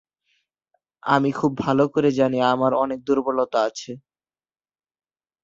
আমি খুব ভালো করে জানি আমার অনেক দুর্বলতা আছে।